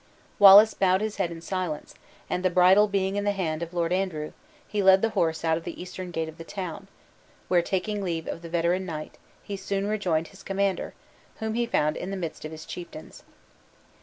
Wallace bowed his head in silence; and the bridle being in the hand of Lord Andrew, he led the horse out of the eastern gate of the town, where, taking leave of the veteran knight, he soon rejoined his commander, whom he found in the midst of his chieftains.